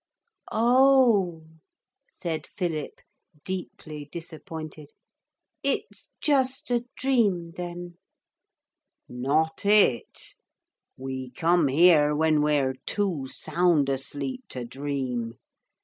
'Oh!' said Philip, deeply disappointed; 'it's just a dream then?' 'Not it. We come here when we're too sound asleep to dream.